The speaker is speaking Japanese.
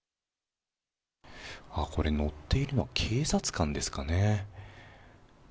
これ、乗っているの、警察官ですかね。